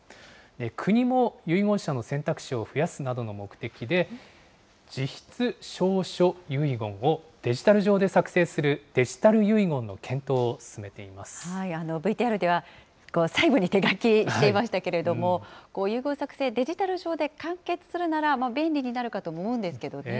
国も遺言者の選択肢を増やすなどの目的で、自筆証書遺言をデジタル上で作成するデジタル遺言の検討を進めてＶＴＲでは、最後に手書きしていましたけれども、遺言作成、デジタル上で完結するなら便利になるかと思うんですけどね。